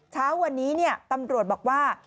เช้าวันนี้ตำรวจบอกว่า